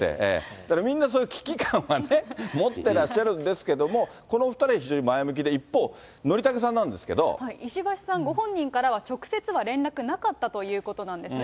だから、みんなそういう危機感は持ってらっしゃるんですけれども、このお２人は非常に前向きで、一方、憲武さんなんですけど。石橋さんご本人からは、直接は連絡なかったということなんですね。